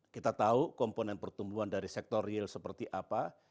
kita tahu komponen pertumbuhan dari sektor real seperti apa